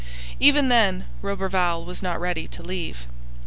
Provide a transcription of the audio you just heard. Even then Roberval was not ready to leave.